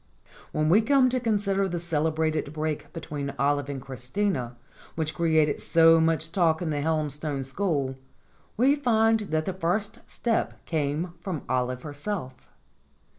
When we come to consider the celebrated break between Olive and Christina, which created so much talk in the Helmstone school, we find that the first step came from Olive herself.